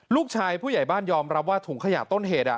ผู้ใหญ่บ้านยอมรับว่าถุงขยะต้นเหตุ